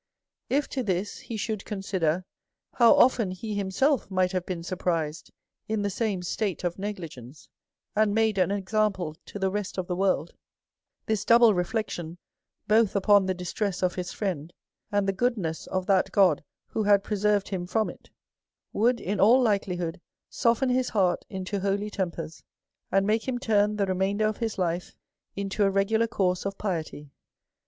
If to this he should consider how often he him self might have been surprised in the same state of negligence, and made an example to the rest of the world, this double reflection, both upon the distress of his friend, and the goodness of that God who had preserved him from it, would, in all likelihood, soften his heart into holy tempers, and make him turn the 3 remainder of his life into a regular course of piety.